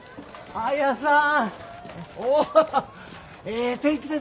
綾さん？